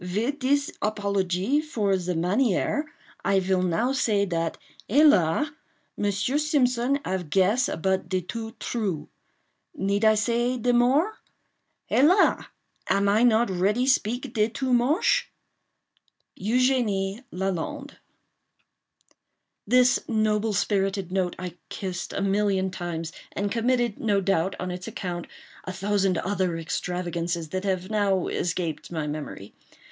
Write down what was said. "Vid dis apologie for the manière, I vill now say dat, hélas!—Monsieur Simpson ave guess but de too true. Need I say de more? Hélas! am I not ready speak de too moshe? "EUGENIE LALAND." This noble spirited note I kissed a million times, and committed, no doubt, on its account, a thousand other extravagances that have now escaped my memory.